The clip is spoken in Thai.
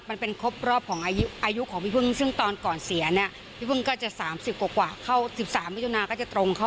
ไปฟังเสียงหน่อยค่ะ